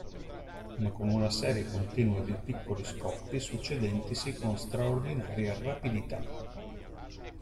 Ma con una serie continua di piccoli scoppi succedentisi con straordinaria rapidità.